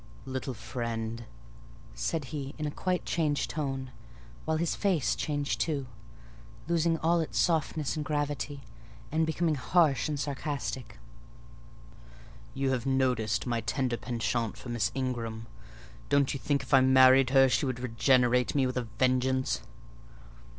"Little friend," said he, in quite a changed tone—while his face changed too, losing all its softness and gravity, and becoming harsh and sarcastic—"you have noticed my tender penchant for Miss Ingram: don't you think if I married her she would regenerate me with a vengeance?"